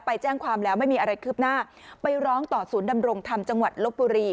ไปแจ้งความแล้วไม่มีอะไรคืบหน้าไปร้องต่อศูนย์ดำรงธรรมจังหวัดลบบุรี